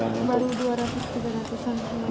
kemudian dari bulan agustus itu